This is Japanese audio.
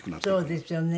そうですよね。